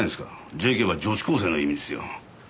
ＪＫは女子高生の意味ですよ。